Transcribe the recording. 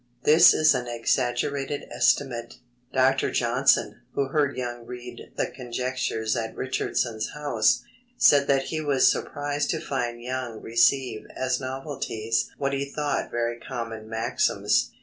This is an exaggerated estimate. Dr. Johnson, who heard Young read the Conjectures at Richardson's house, said that "he was surprised to find Young receive as novelties what he thought very common maxims."